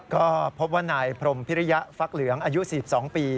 ก็พบว่านายพรมพิริยะฟักเหลืองอายุ๔๒ปี